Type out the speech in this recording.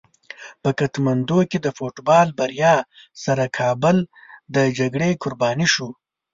په کتمندو کې د فوټبال بریا سره کابل د جګړې قرباني شو.